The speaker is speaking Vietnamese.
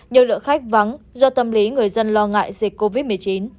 nhiều lượng khách vắng do tâm lý người dân lo ngại dịch covid một mươi chín